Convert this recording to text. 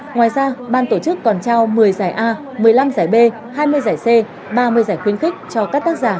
ngoài ra ban tổ chức còn trao một mươi giải a một mươi năm giải b hai mươi giải c ba mươi giải khuyến khích cho các tác giả